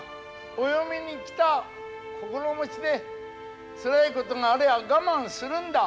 お嫁に来た心持ちでつらいことがありゃ我慢するんだ。